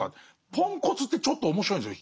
ポンコツってちょっと面白いんですよ